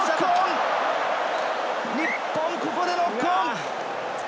日本、ここでノックオン。